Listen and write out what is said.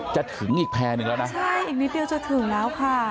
จะถึงอีกแพรหนึ่งแล้วนะใช่อีกนิดเดียวจะถึงแล้วค่ะ